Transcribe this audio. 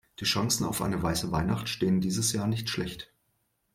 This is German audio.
Die Chancen auf eine weiße Weihnacht stehen dieses Jahr nicht schlecht.